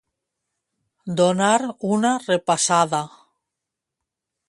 Donar una repassada.